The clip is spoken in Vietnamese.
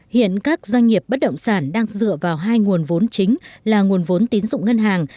hiện các doanh nghiệp bất động sản đang dựa vào hai nguồn vốn chính là nguồn vốn tín dụng ngân hàng